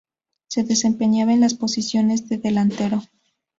Se desempeñaba en las posición de delantero.